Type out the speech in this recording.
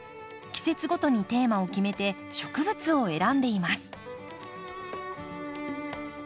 季節ごとにテーマを決めて植物を選んでいます。